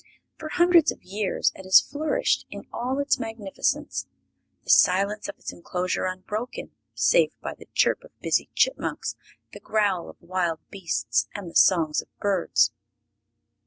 For hundreds of years it has flourished in all its magnificence, the silence of its inclosure unbroken save by the chirp of busy chipmunks, the growl of wild beasts and the songs of birds.